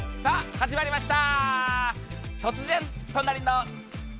始まりました。